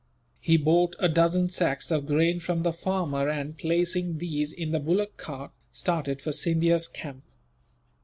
He bought a dozen sacks of grain from the farmer and, placing these in the bullock cart, started for Scindia's camp.